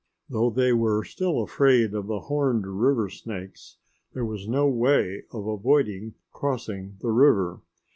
Though they were still afraid of the horned river snakes, there was no way of avoiding crossing the river.